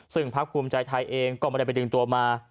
ซึ่งพักภูมิใจไทยเองก็ไม่ได้ไปดึงตัวมา